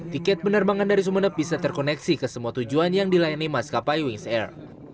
tiket penerbangan dari sumeneb bisa terkoneksi ke semua tujuan yang dilayani maskapai wings air